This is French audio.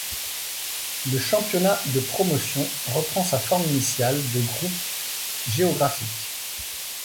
Le championnat de Promotion reprend sa forme initiale de groupe géographiques.